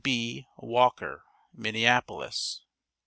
B. Walker Minneapolis.